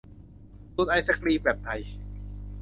สูตรไอศกรีมแบบไทย